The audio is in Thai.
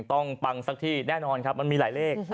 ปังสักที่แน่นอนครับมันมีหลายเลข